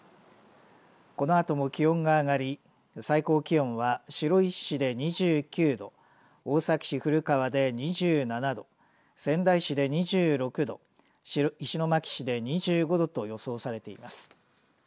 このあとも気温が上がり最高気温は白石市で２９度大崎市古川で２７度仙台市で２６度石巻市で２５度と予想されています。